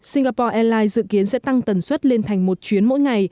singapore airlines dự kiến sẽ tăng tần suất lên thành một chuyến mỗi ngày